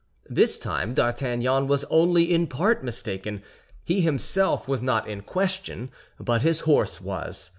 This time D'Artagnan was only in part mistaken; he himself was not in question, but his horse was.